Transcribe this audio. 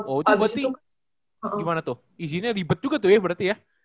oh itu berarti gimana tuh izinnya ribet juga tuh ya berarti ya